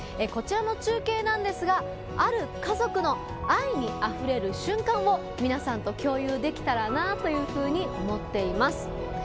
こちらの中継なんですがある家族の愛にあふれる瞬間を皆さんと共有できたらなというふうに思っています。